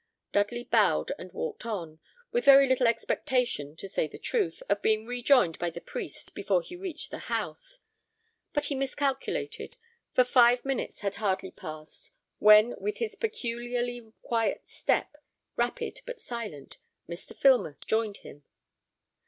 Dudley bowed and walked on, with very little expectation, to say the truth, of being rejoined by the priest before he reached the house; but he miscalculated, for five minutes had hardly passed when, with his peculiarly quiet step, rapid but silent, Mr. Filmer rejoined him.